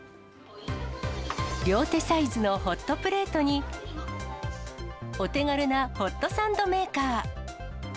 両手サイズのホットプレートに、お手軽なホットサンドメーカー。